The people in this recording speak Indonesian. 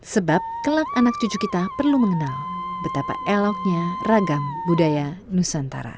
sebab kelak anak cucu kita perlu mengenal betapa eloknya ragam budaya nusantara